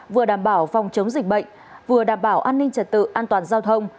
vừa đảm bảo phòng chống dịch bệnh vừa đảm bảo an ninh trật tự an toàn giao thông